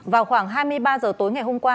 vào khoảng hai mươi ba h tối ngày hôm qua